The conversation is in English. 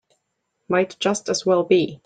Might just as well be.